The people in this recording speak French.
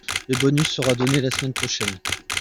Le bonus sera donné la semaine prochaine.